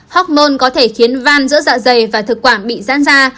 hóc môn có thể khiến van giữa dạ dày và thực quả bị rán ra